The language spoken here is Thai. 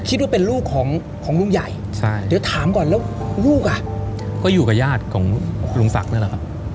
คิดว่าเป็นลูกของลุงใหญ่เดี๋ยวถามก่อนแล้วลูกอ่ะก็อยู่กับญาติของลุงศักดิ์นั่นแหละครับ